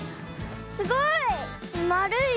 すごい。